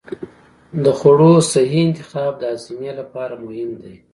د خوړو صحي انتخاب د هاضمې لپاره مهم دی.